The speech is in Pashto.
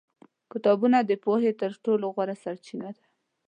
کتابونه د پوهې تر ټولو غوره سرچینه دي.